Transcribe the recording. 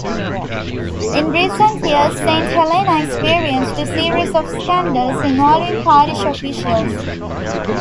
In recent years, Saint Helena experienced a series of scandals involving parish officials.